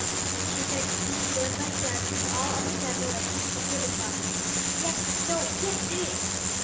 She sent keen, bird like glances all up and down the length of the tablecloth. "Yes, no yes, it is."